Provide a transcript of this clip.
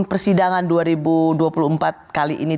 persidangan dua ribu dua puluh empat kali ini